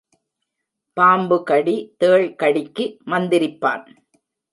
பாம்புகடி, தேள் கடிக்கு மந்திரிப்பான்.